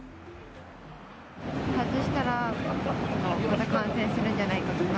外したら、また感染するんじゃないかとか。